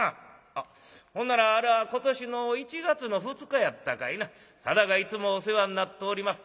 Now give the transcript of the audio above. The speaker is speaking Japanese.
あっほんならあれは今年の１月の２日やったかいな『定がいつもお世話になっております。